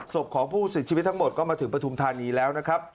ศพของผู้เสียชีวิตทั้งหมดก็มาถึงปฐุมธานีแล้วนะครับ